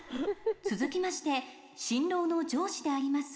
続きまして新郎の上司であります